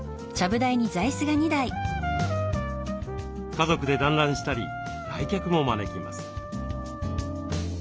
家族で団らんしたり来客も招きます。